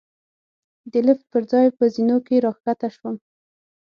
د لېفټ پر ځای په زېنو کې را کښته شوو.